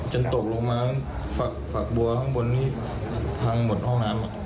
ตกลงมาฝักบัวข้างบนนี่พังหมดห้องน้ำ